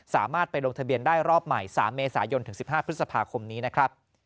สามารถไปลงทะเบียนได้รอบใหม่๓เมษายนถึง๑๕พฤษภาคมนี้นะครับ